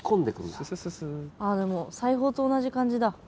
でも裁縫と同じ感じだ。